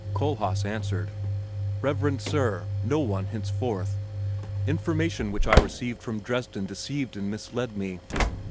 Kohlhaas answered, "Reverend Sir, no one, henceforth. Information which I received from Dresden deceived and misled me!